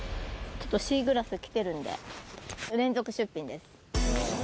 ちょっとシーグラスきてるんで、連続出品です。